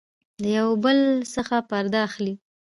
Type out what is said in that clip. د يو بل څخه پرده اخلي